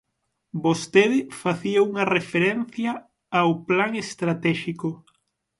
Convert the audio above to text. Vostede facía unha referencia ao Plan estratéxico.